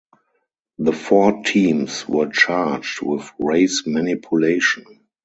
The four teams were charged with race manipulation.